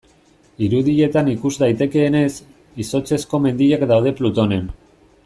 Irudietan ikus daitekeenez, izotzezko mendiak daude Plutonen.